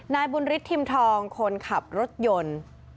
นายบุญฤทธิมทองคนขับรถยนต์